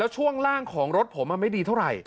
ช่วงล่างของรถผมไม่ดีเท่าไหร่